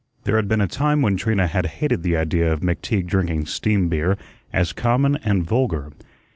There had been a time when Trina had hated the idea of McTeague drinking steam beer as common and vulgar.